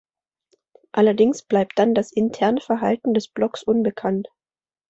Allerdings bleibt dann das interne Verhalten des Blocks unbekannt.